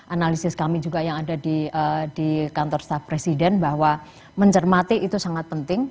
analisis kami juga yang ada di kantor staf presiden bahwa mencermati itu sangat penting